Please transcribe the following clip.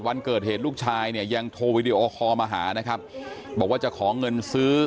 วันเกิดเหตุลูกชายเนี่ยยังโทรวิดีโอคอลมาหานะครับบอกว่าจะขอเงินซื้อ